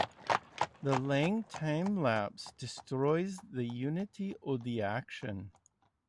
The long time lapse destroys the unity of the action.